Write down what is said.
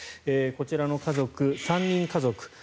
こちらの家族、３人家族。